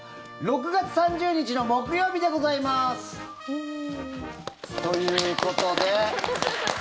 ６月３０日の木曜日でございます！ということで。